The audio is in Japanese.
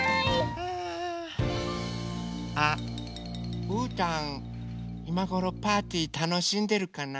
あっうーたんいまごろパーティーたのしんでるかな？